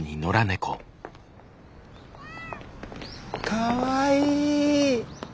かわいい。